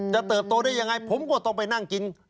เติบโตได้ยังไงผมก็ต้องไปนั่งกิน